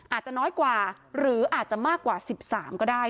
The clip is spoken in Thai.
อาจจะน้อยกว่าหรืออาจจะมากกว่า๑๓ก็ได้